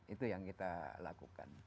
itu yang kita lakukan